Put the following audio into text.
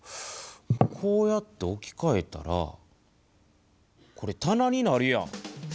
こうやって置きかえたらこれ棚になるやん。